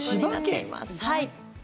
はい。